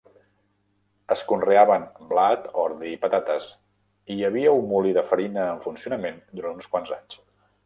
Es conreaven blat, ordi i patates, i hi havia un molí de farina en funcionament durant uns quants anys.